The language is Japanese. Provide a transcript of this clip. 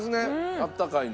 あったかいの。